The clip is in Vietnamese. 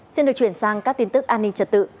xin được chuyển sang các tin tức an ninh trật tự